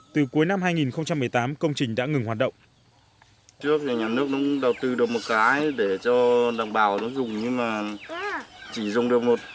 từ cuối năm hai nghìn một mươi tám công trình đã ngừng hoạt động